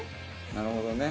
なるほどね。